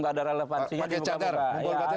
gak ada relevansinya pakai cadar